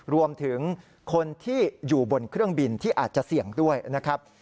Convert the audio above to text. รวมถึงคนที่อยู่บนเครื่องบินที่อาจจะเสี่ยงด้วยนะครับ